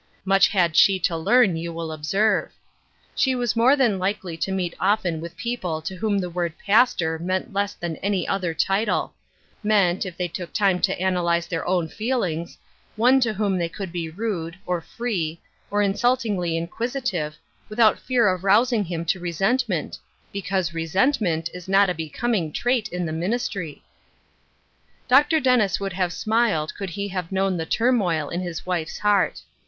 Much had she to learn, you will observe ! She was more than likely to meet often with people to whom the word "pastor" meant less than any other title — meant, if they took time to analyze their own feelings, one to whom they could be rude, or free, or insultingly Other People i Crosses. 157 inquisitive, witaout fear of rousing him to re Bentment, because resentment is not a becoming trait in the ministry ! Dr. Dennis would have smiled could he have known the turmoil in his wife's heart.